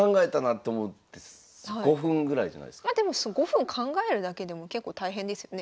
５分考えるだけでも結構大変ですよね。